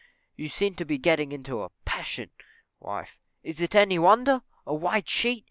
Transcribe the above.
_ You seem to be getting into a passion. Wife. Is it any wonder? A white sheet!